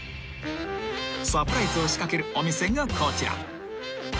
［サプライズを仕掛けるお店がこちら］